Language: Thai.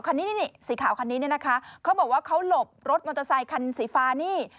คันนี้นี่สีขาวคันนี้เนี่ยนะคะเขาบอกว่าเขาหลบรถมอเตอร์ไซคันสีฟ้านี่